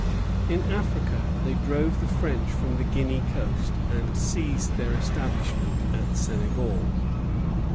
In Africa they drove the French from the Guinea coast, and seized their establishment at Senegal.